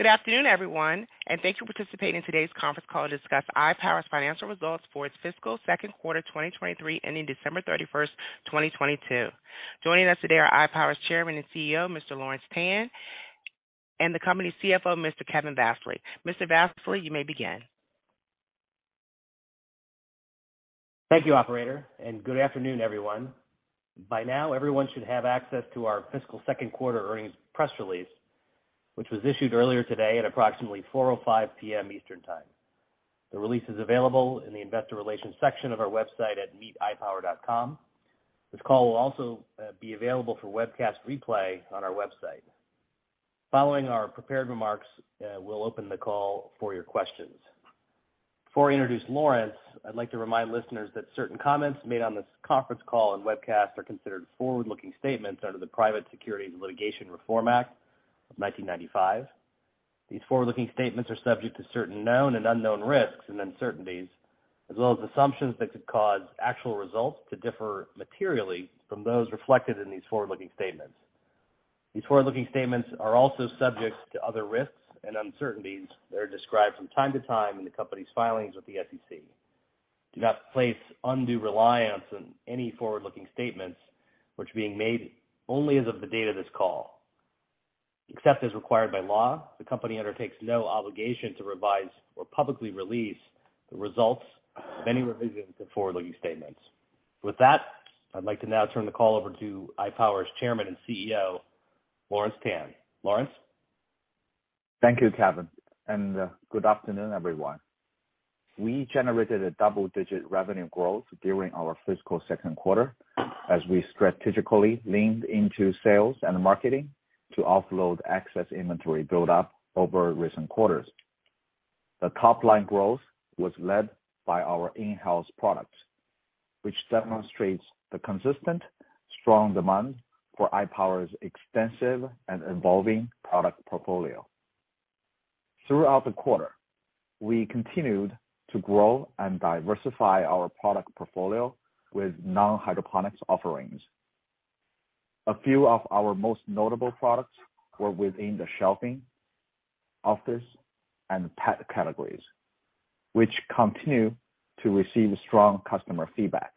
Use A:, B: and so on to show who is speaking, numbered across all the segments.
A: Good afternoon, everyone. Thank you for participating in today's conference call to discuss iPower's financial results for its fiscal second quarter 2023, ending December 31, 2022. Joining us today are iPower's Chairman and CEO, Mr. Lawrence Tan, and the company's CFO, Mr. Kevin Vassily. Mr. Vassily, you may begin.
B: Thank you, operator, and good afternoon, everyone. By now, everyone should have access to our fiscal second quarter earnings press release, which was issued earlier today at approximately 4:05 P.M. Eastern Time. The release is available in the investor relations section of our website at meetipower.com. This call will also be available for webcast replay on our website. Following our prepared remarks, we'll open the call for your questions. Before I introduce Lawrence, I'd like to remind listeners that certain comments made on this conference call and webcast are considered forward-looking statements under the Private Securities Litigation Reform Act of 1995. These forward-looking statements are subject to certain known and unknown risks and uncertainties, as well as assumptions that could cause actual results to differ materially from those reflected in these forward-looking statements. These forward-looking statements are also subject to other risks and uncertainties that are described from time to time in the company's filings with the SEC. Do not place undue reliance on any forward-looking statements which are being made only as of the date of this call. Except as required by law, the company undertakes no obligation to revise or publicly release the results of any revision to forward-looking statements. With that, I'd like to now turn the call over to iPower's Chairman and CEO, Lawrence Tan. Lawrence?
C: Thank you, Kevin, and good afternoon, everyone. We generated a double-digit revenue growth during our fiscal second quarter as we strategically leaned into sales and marketing to offload excess inventory buildup over recent quarters. The top-line growth was led by our in-house products, which demonstrates the consistent strong demand for iPower's extensive and evolving product portfolio. Throughout the quarter, we continued to grow and diversify our product portfolio with non-hydroponics offerings. A few of our most notable products were within the shelving, office, and pet categories, which continue to receive strong customer feedback.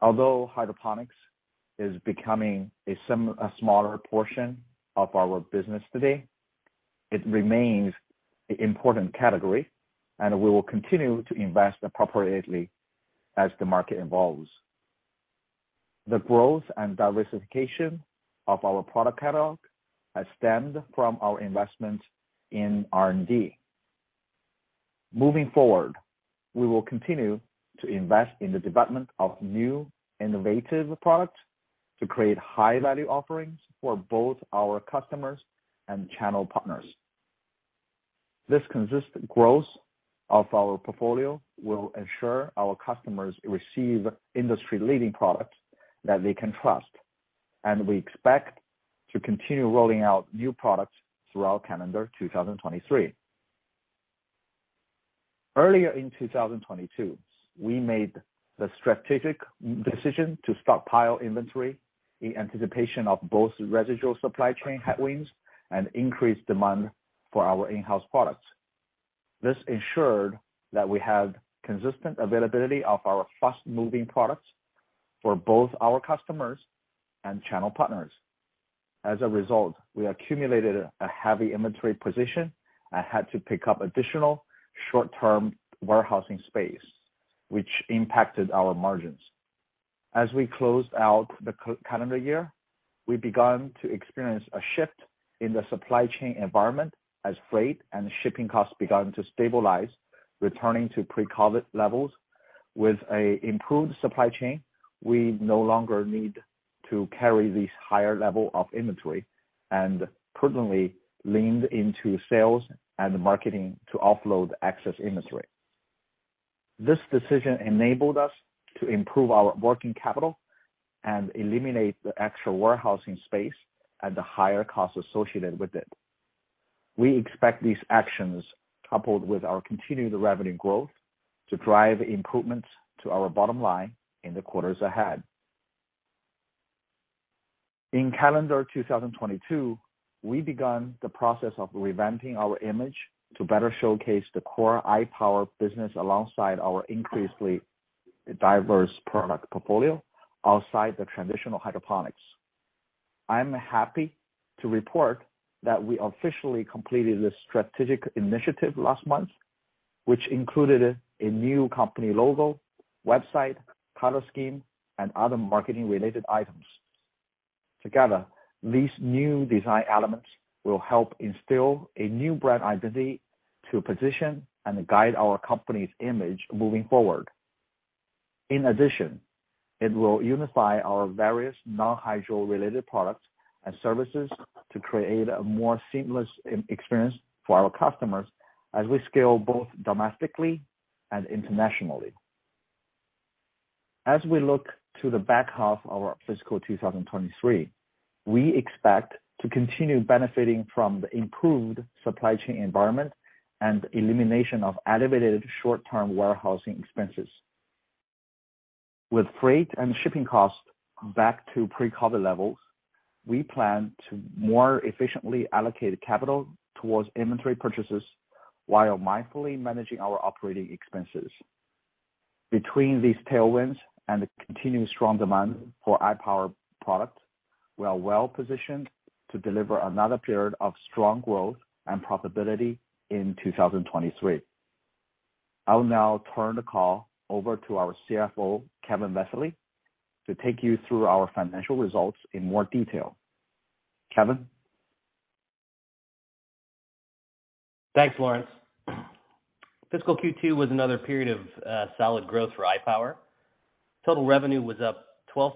C: Although hydroponics is becoming a smaller portion of our business today, it remains an important category, and we will continue to invest appropriately as the market evolves. The growth and diversification of our product catalog has stemmed from our investment in R&D. Moving forward, we will continue to invest in the development of new innovative products to create high-value offerings for both our customers and channel partners. This consistent growth of our portfolio will ensure our customers receive industry-leading products that they can trust, and we expect to continue rolling out new products throughout calendar 2023. Earlier in 2022, we made the strategic decision to stockpile inventory in anticipation of both residual supply chain headwinds and increased demand for our in-house products. This ensured that we had consistent availability of our fast-moving products for both our customers and channel partners. As a result, we accumulated a heavy inventory position and had to pick up additional short-term warehousing space, which impacted our margins. As we closed out the calendar year, we began to experience a shift in the supply chain environment as freight and shipping costs began to stabilize, returning to pre-COVID levels. With a improved supply chain, we no longer need to carry this higher level of inventory and permanently leaned into sales and marketing to offload excess inventory. This decision enabled us to improve our working capital and eliminate the extra warehousing space at the higher cost associated with it. We expect these actions, coupled with our continued revenue growth, to drive improvements to our bottom line in the quarters ahead. In calendar 2022, we begun the process of revamping our image to better showcase the core iPower business alongside our increasingly diverse product portfolio outside the traditional hydroponics. I'm happy to report that we officially completed this strategic initiative last month, which included a new company logo, website, color scheme, and other marketing-related items. Together, these new design elements will help instill a new brand identity to position and guide our company's image moving forward. In addition, it will unify our various non-hydro related products and services to create a more seamless experience for our customers as we scale both domestically and internationally. As we look to the back half of our fiscal 2023, we expect to continue benefiting from the improved supply chain environment and elimination of elevated short-term warehousing expenses. With freight and shipping costs back to pre-COVID levels, we plan to more efficiently allocate capital towards inventory purchases while mindfully managing our operating expenses. Between these tailwinds and the continued strong demand for iPower product, we are well positioned to deliver another period of strong growth and profitability in 2023. I will now turn the call over to our CFO, Kevin Vassily, to take you through our financial results in more detail. Kevin?
B: Thanks, Lawrence. Fiscal Q2 was another period of solid growth for iPower. Total revenue was up 12%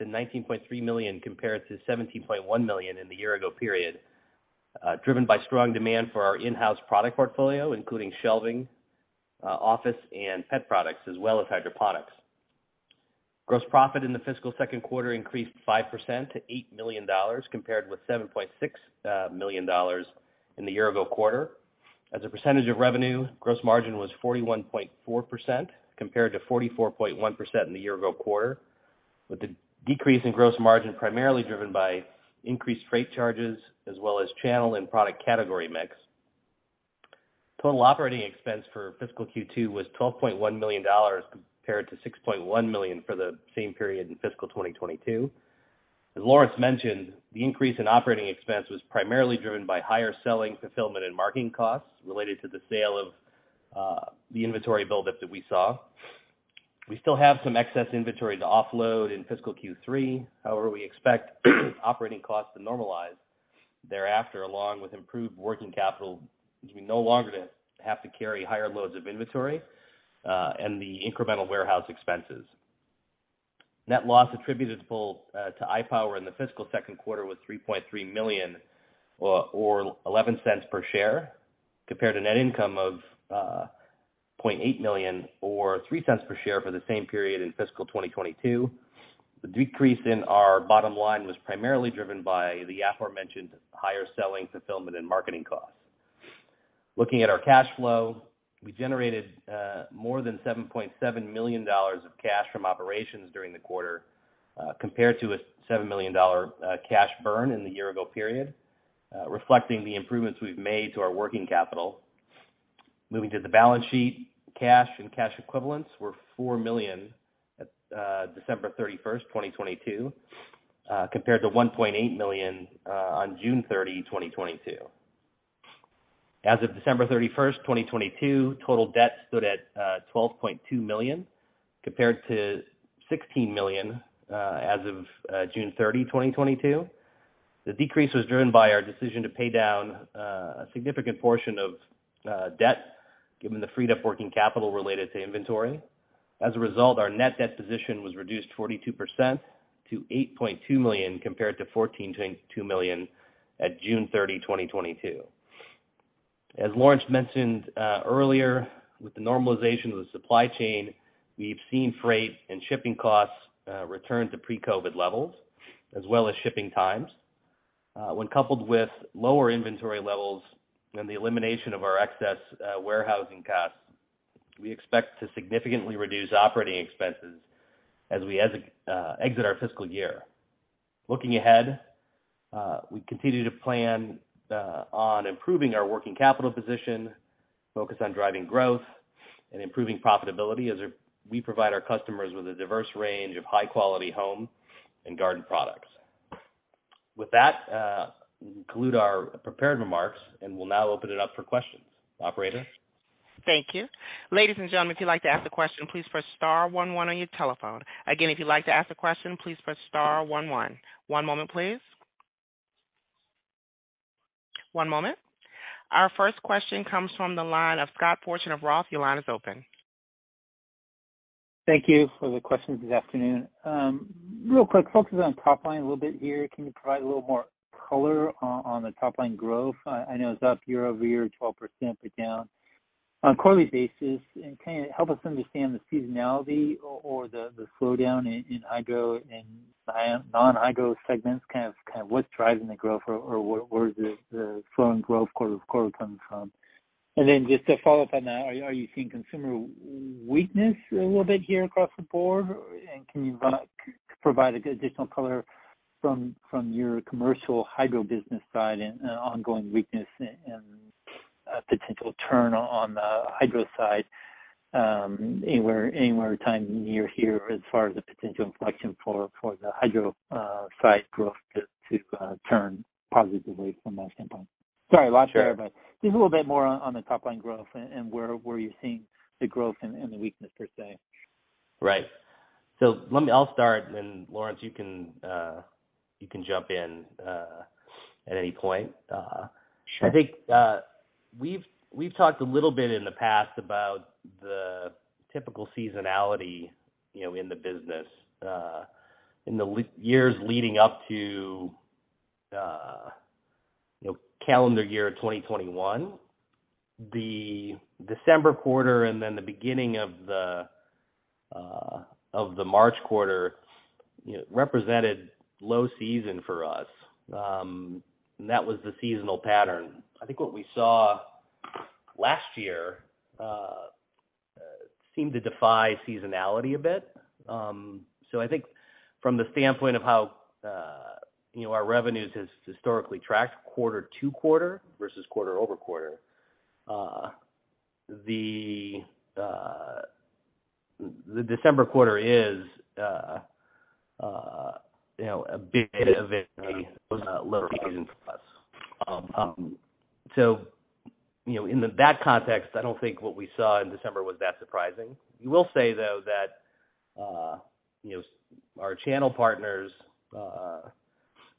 B: to $19.3 million, compared to $17.1 million in the year ago period, driven by strong demand for our in-house product portfolio, including shelving, office and pet products, as well as hydroponics. Gross profit in the fiscal second quarter increased 5% to $8 million, compared with $7.6 million in the year ago quarter. As a percentage of revenue, gross margin was 41.4% compared to 44.1% in the year ago quarter, with the decrease in gross margin primarily driven by increased freight charges as well as channel and product category mix. Total operating expense for fiscal Q2 was $12.1 million compared to $6.1 million for the same period in fiscal 2022. As Lawrence mentioned, the increase in operating expense was primarily driven by higher selling, fulfillment, and marketing costs related to the sale of the inventory buildup that we saw. We still have some excess inventory to offload in fiscal Q3. However, we expect operating costs to normalize thereafter, along with improved working capital, as we no longer to have to carry higher loads of inventory and the incremental warehouse expenses. Net loss attributable to iPower in the fiscal second quarter was $3.3 million or $0.11 per share, compared to net income of $0.8 million or $0.03 per share for the same period in fiscal 2022. The decrease in our bottom line was primarily driven by the aforementioned higher selling, fulfillment, and marketing costs. Looking at our cash flow, we generated more than $7.7 million of cash from operations during the quarter, compared to a $7 million cash burn in the year ago period, reflecting the improvements we've made to our working capital. Moving to the balance sheet, cash and cash equivalents were $4 million at December 31st, 2022, compared to $1.8 million on June 30, 2022. As of December 31, 2022, total debt stood at $12.2 million compared to $16 million as of June 30, 2022. The decrease was driven by our decision to pay down a significant portion of debt given the freed-up working capital related to inventory. As a result, our net debt position was reduced 42% to $8.2 million compared to $14.2 million at June 30, 2022. As Lawrence mentioned earlier, with the normalization of the supply chain, we've seen freight and shipping costs return to pre-COVID levels, as well as shipping times. When coupled with lower inventory levels and the elimination of our excess warehousing costs, we expect to significantly reduce operating expenses as we exit our fiscal year. Looking ahead, we continue to plan on improving our working capital position, focus on driving growth, and improving profitability as we provide our customers with a diverse range of high-quality home and garden products. With that, we conclude our prepared remarks, and we'll now open it up for questions. Operator?
A: Thank you. Ladies and gentlemen, if you'd like to ask a question, please press star one one on your telephone. Again, if you'd like to ask a question, please press star one one. One moment, please. One moment. Our first question comes from the line of Scott Fortune of Roth. Your line is open.
D: Thank you for the questions this afternoon. Real quick, focusing on top line a little bit here, can you provide a little more color on the top line growth? I know it's up year-over-year 12%, but down on a quarterly basis. Can you help us understand the seasonality or the slowdown in hydro and non-hydro segments, kind of what's driving the growth or where is the slowing growth quarter-to-quarter coming from? Then just to follow up on that, are you seeing consumer weakness a little bit here across the board? Can you provide additional color from your commercial hydro business side and ongoing weakness and potential turn on the hydro side, anywhere time near here as far as the potential inflection for the hydro side growth to turn positively from that standpoint? Sorry, a lot there.
B: Sure.
D: Just a little bit more on the top line growth and where you're seeing the growth and the weakness per se.
B: Right. I'll start, and Lawrence, you can jump in at any point.
D: Sure.
B: I think we've talked a little bit in the past about the typical seasonality, you know, in the business. In the years leading up to, you know, calendar year 2021, the December quarter and then the beginning of the March quarter, you know, represented low season for us. That was the seasonal pattern. I think what we saw last year seemed to defy seasonality a bit. I think from the standpoint of how, you know, our revenues has historically tracked quarter to quarter versus quarter-over-quarter, the December quarter is, you know, a bit of a slow season for us. You know, in that context, I don't think what we saw in December was that surprising. We will say, though, that, you know, our channel partners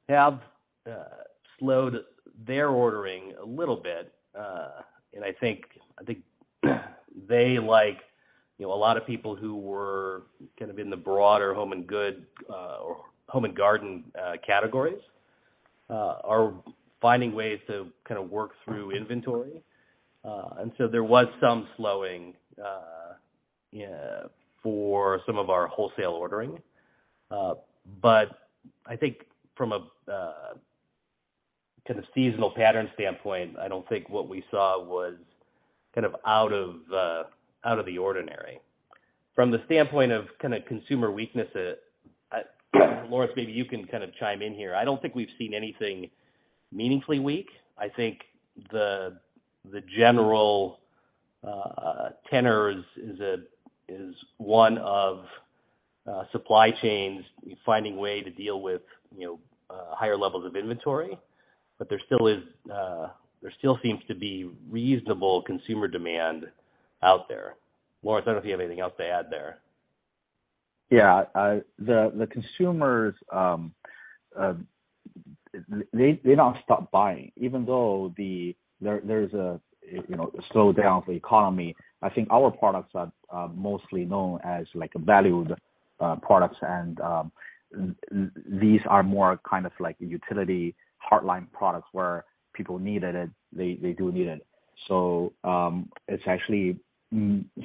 B: have slowed their ordering a little bit. I think they, like, you know, a lot of people who were kind of in the broader home and good, or home and garden, categories, are finding ways to kind of work through inventory. There was some slowing, for some of our wholesale ordering. I think from a, kind of seasonal pattern standpoint, I don't think what we saw was kind of out of, out of the ordinary. From the standpoint of kind of consumer weaknesses, Lawrence, maybe you can kind of chime in here. I don't think we've seen anything meaningfully weak. I think the general tenor is a, is one of supply chains finding way to deal with, you know, higher levels of inventory. There still is, there still seems to be reasonable consumer demand out there. Lawrence, I don't know if you have anything else to add there.
C: The consumers don't stop buying even though there's a, you know, a slowdown for the economy. I think our products are mostly known as like valued products. These are more kind of like utility hardline products where people needed it. They do need it. It's actually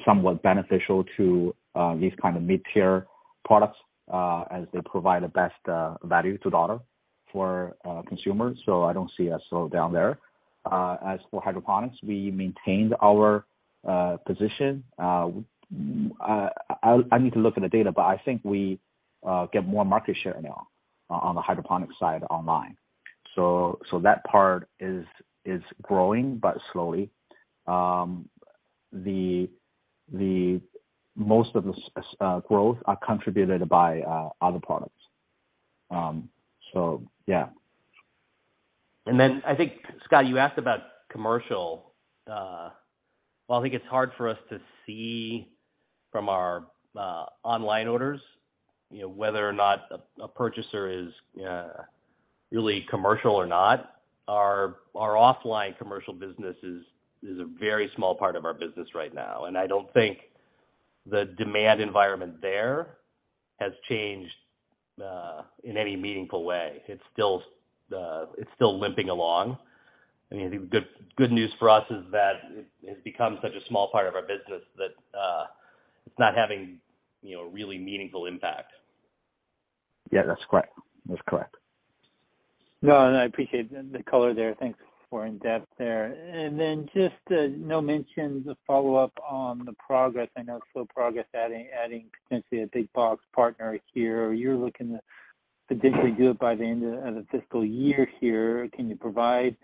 C: somewhat beneficial to these kind of mid-tier products as they provide the best value to the dollar for consumers. I don't see a slowdown there. As for hydroponics, we maintained our position. I need to look at the data, but I think we get more market share now on the hydroponics side online. That part is growing, but slowly. The most of the growth are contributed by other products. Yeah.
B: I think, Scott, you asked about commercial. Well, I think it's hard for us to see from our online orders, you know, whether or not a purchaser is really commercial or not. Our offline commercial business is a very small part of our business right now, I don't think the demand environment there has changed in any meaningful way. It's still, it's still limping along. I mean, the good news for us is that it has become such a small part of our business that it's not having, you know, a really meaningful impact.
C: Yeah, that's correct. That's correct.
D: No, I appreciate the color there. Thanks for in-depth there. Just, no mention the follow-up on the progress. I know slow progress adding potentially a big box partner here. You're looking to potentially do it by the end of the fiscal year here. Can you provide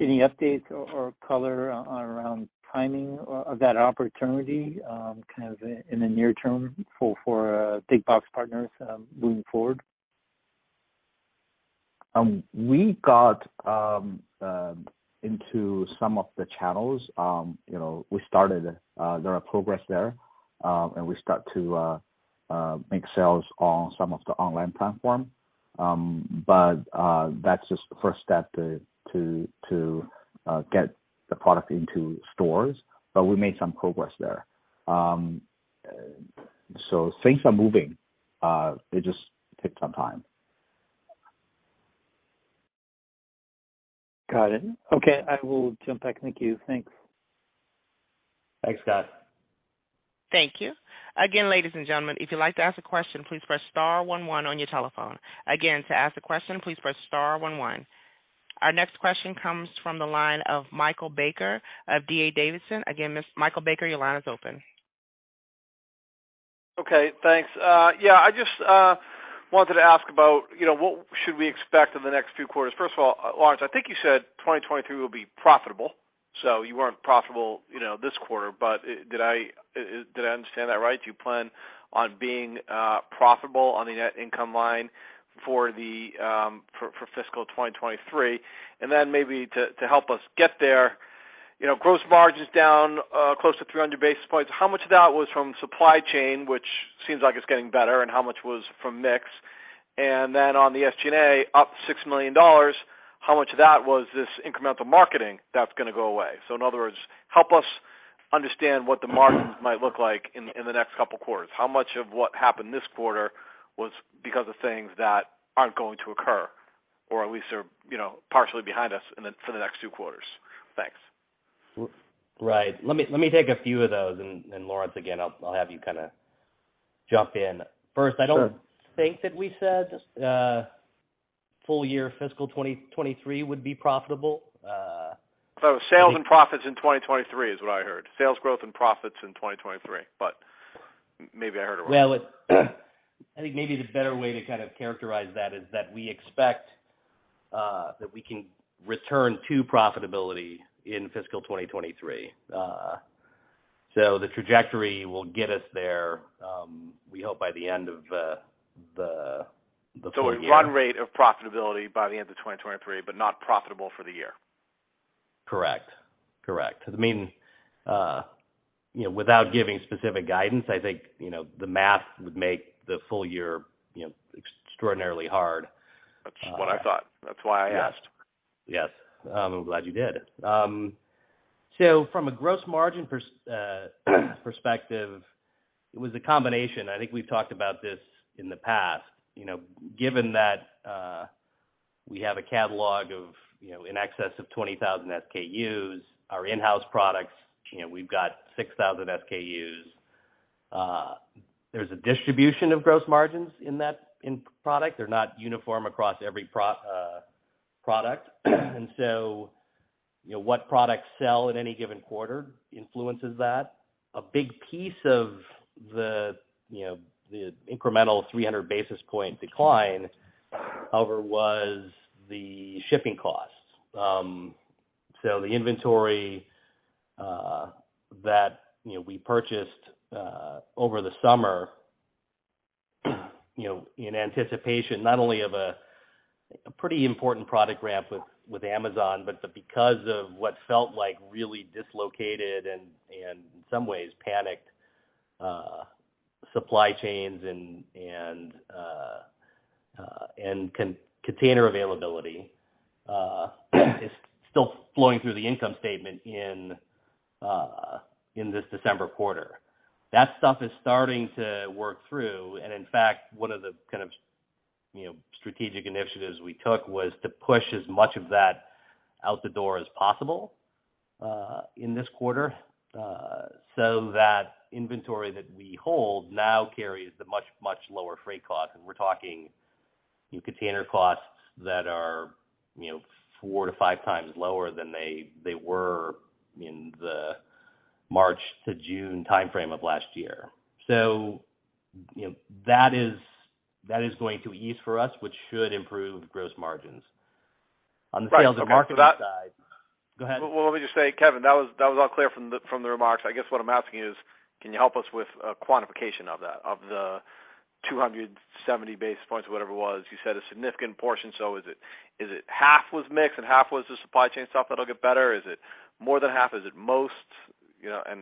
D: any updates or color around timing of that opportunity, kind of in the near term for big box partners, moving forward?
C: We got into some of the channels. You know, we started, there are progress there, and we start to make sales on some of the online platform. That's just the first step to get the product into stores. We made some progress there. Things are moving. They just take some time.
D: Got it. Okay. I will jump back. Thank you. Thanks.
B: Thanks, Scott.
A: Thank you. Again, ladies and gentlemen, if you'd like to ask a question, please press star one one on your telephone. Again, to ask a question, please press star one one. Our next question comes from the line of Michael Baker of D.A. Davidson. Again, Michael Baker, your line is open.
E: Okay. Thanks. Yeah, I just wanted to ask about, you know, what should we expect in the next few quarters. First of all, Lawrence, I think you said 2023 will be profitable, you weren't profitable, you know, this quarter. Did I understand that right? Do you plan on being profitable on the net income line for the fiscal 2023? Maybe to help us get there, you know, gross margins down close to 300 basis points. How much of that was from supply chain, which seems like it's getting better, and how much was from mix? On the SG&A up $6 million, how much of that was this incremental marketing that's gonna go away? In other words, help us understand what the margins might look like in the next couple quarters. How much of what happened this quarter was because of things that aren't going to occur, or at least are, you know, partially behind us and then for the next two quarters? Thanks.
B: Right. Let me take a few of those. Lawrence, again, I'll have you kind of jump in. First, I don't think that we said, Full year fiscal 2023 would be profitable.
E: Sales and profits in 2023 is what I heard. Sales growth and profits in 2023, maybe I heard it wrong.
B: Well, I think maybe the better way to kind of characterize that is that we expect that we can return to profitability in fiscal 2023. The trajectory will get us there. We hope by the end of the full year.
E: A run rate of profitability by the end of 2023, but not profitable for the year.
B: Correct. Correct. I mean, you know, without giving specific guidance, I think, you know, the math would make the full year, you know, extraordinarily hard.
E: That's what I thought. That's why I asked.
B: Yes. Yes. I'm glad you did. From a gross margin perspective, it was a combination. I think we've talked about this in the past. You know, given that we have a catalog of, you know, in excess of 20,000 SKUs, our in-house products, you know, we've got 6,000 SKUs. There's a distribution of gross margins in that, in product. They're not uniform across every product. What products sell at any given quarter influences that. A big piece of the, you know, the incremental 300 basis point decline, however, was the shipping costs. The inventory, that, you know, we purchased, over the summer, you know, in anticipation not only of a pretty important product ramp with Amazon, but because of what felt like really dislocated and in some ways panicked, supply chains and container availability, is still flowing through the income statement in this December quarter. That stuff is starting to work through. In fact, one of the kind of, you know, strategic initiatives we took was to push as much of that out the door as possible, in this quarter, so that inventory that we hold now carries the much lower freight cost. We're talking container costs that are, you know, four to five times lower than they were in the March to June timeframe of last year. you know, that is going to ease for us, which should improve gross margins. On the sales and marketing side.
E: Well, let me just say, Kevin, that was all clear from the remarks. I guess what I'm asking is, can you help us with a quantification of that, of the 270 basis points, whatever it was? You said a significant portion. Is it half was mix and half was the supply chain stuff that'll get better? Is it more than half? Is it most? You know, I'm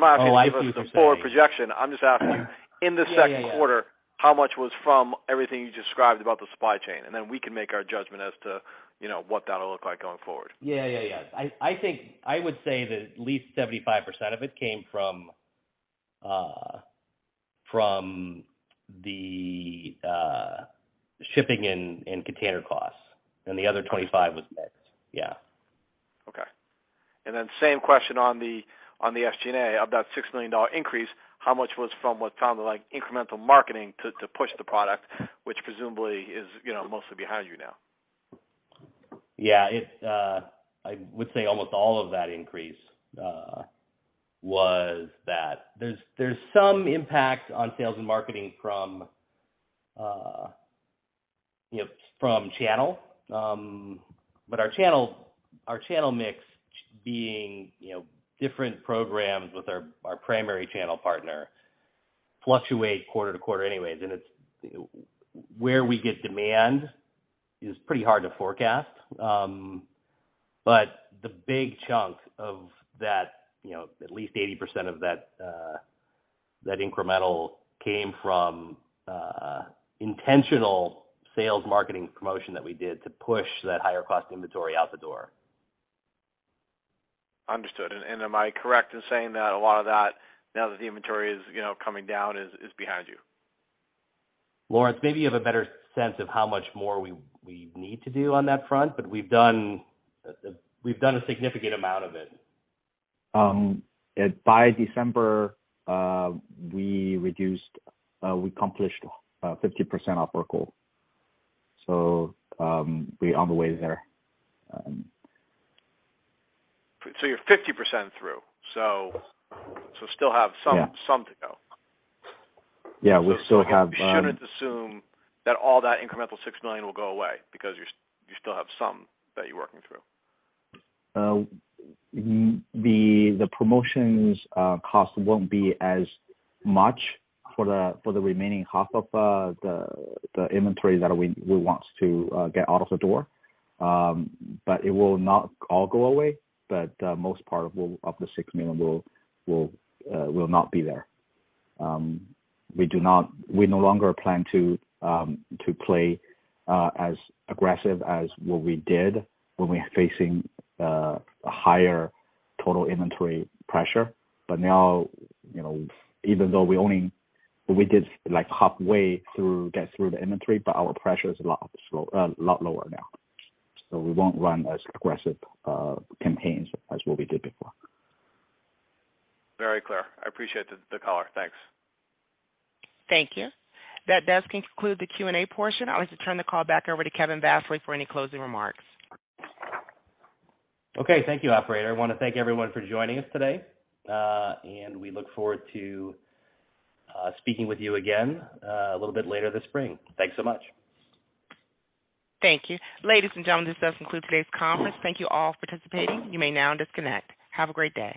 E: not asking you to give us a forward projection. I'm just asking in the second quarter, how much was from everything you described about the supply chain? Then we can make our judgment as to, you know, what that'll look like going forward.
B: Yeah. Yeah. Yeah. I think I would say that at least 75% of it came from the shipping and container costs, and the other 25 was mixed. Yeah.
E: Okay. Same question on the SG&A. Of that $6 million increase, how much was from what sounded like incremental marketing to push the product, which presumably is, you know, mostly behind you now?
B: Yeah. It, I would say almost all of that increase was that. There's some impact on sales and marketing from, you know, from channel. But our channel, our channel mix being, you know, different programs with our primary channel partner fluctuate quarter to quarter anyways. It's where we get demand is pretty hard to forecast. But the big chunk of that, you know, at least 80% of that incremental came from intentional sales marketing promotion that we did to push that higher cost inventory out the door.
E: Understood. Am I correct in saying that a lot of that, now that the inventory is, you know, coming down, is behind you?
B: Lawrence, maybe you have a better sense of how much more we need to do on that front, but we've done a significant amount of it.
C: By December, we accomplished 50% of our goal. We're on the way there.
E: You're 50% through, still have.
C: Yeah.
E: -some to go.
C: Yeah. We still have.
E: We shouldn't assume that all that incremental $6 million will go away because you still have some that you're working through.
C: The promotions cost won't be as much for the remaining half of the inventory that we want to get out of the door. It will not all go away, but most part of the $6 million will not be there. We no longer plan to play as aggressive as what we did when we are facing a higher total inventory pressure. Now, you know, even though we only we did, like, halfway through get through the inventory, but our pressure is a lot lower now. We won't run as aggressive campaigns as what we did before.
E: Very clear. I appreciate the color. Thanks.
A: Thank you. That does conclude the Q&A portion. I'll just turn the call back over to Kevin Vassily for any closing remarks.
B: Okay. Thank you, operator. I wanna thank everyone for joining us today, and we look forward to speaking with you again a little bit later this spring. Thanks so much.
A: Thank you. Ladies and gentlemen, this does conclude today's conference. Thank you all for participating. You may now disconnect. Have a great day.